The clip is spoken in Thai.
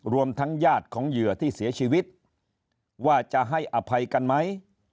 รวมทั้งญาติของเหยื่อที่เสียชีวิตว่าจะให้อภัยกันไหม